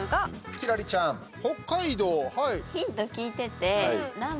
輝星ちゃん、北海道。